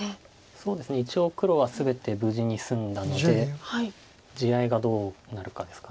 そうですね一応黒は全て無事に済んだので地合いがどうなるかですか。